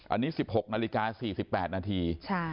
อันนี้๑๖นาฬิกา๔๘นาที